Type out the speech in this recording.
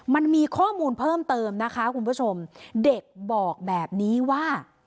มันมีข้อมูลเพิ่มเติมนะคะคุณผู้ชมเด็กบอกแบบนี้ว่า